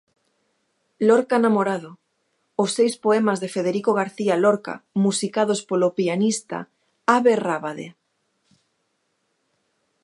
Lorca Namorado, os seis poemas de Federico García Lorca musicados polo pianista Abe Rábade.